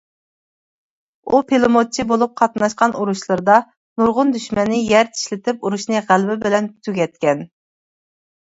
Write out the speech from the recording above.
ئۇ پىلىموتچى بولۇپ قاتناشقان ئۇرۇشلىرىدا نۇرغۇن دۈشمەننى يەر چىشلىتىپ ئۇرۇشنى غەلىبە بىلەن تۈگەتكەن.